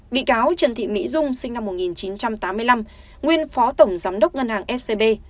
bị cáo trần thị mỹ dung sinh năm một nghìn chín trăm tám mươi năm nguyên phó tổng giám đốc ngân hàng scb